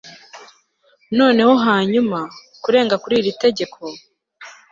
noneho hanyuma, kurenga kuri iri tegeko